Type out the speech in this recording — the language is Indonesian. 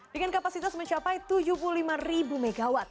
dengan kapasitas mencapai tujuh puluh lima mw